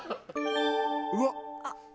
うわっ。